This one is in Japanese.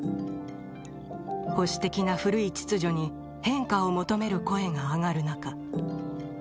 ［保守的な古い秩序に変化を求める声が上がる中